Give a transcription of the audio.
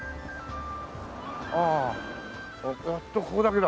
ああやっとここだけだ。